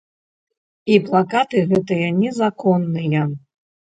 І плакаты гэтыя незаконныя.